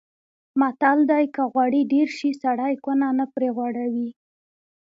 متل دی: که غوړي ډېر شي سړی کونه نه پرې غوړوي.